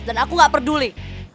dan aku gak peduli